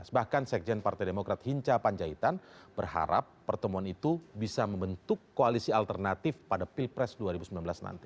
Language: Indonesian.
bahkan sekjen partai demokrat hinca panjaitan berharap pertemuan itu bisa membentuk koalisi alternatif pada pilpres dua ribu sembilan belas nanti